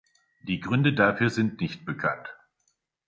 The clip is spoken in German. Die Gründe dafür sind nicht bekannt.